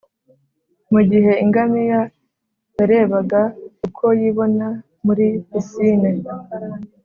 mu gihe ingamiya yarebaga uko yibona muri pisine.